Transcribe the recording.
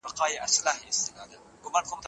انټي باډی له انټي جنونو سره وصل کیږي